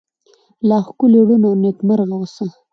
لا ښکلې، ړون، او نکيمرغه اوسه👏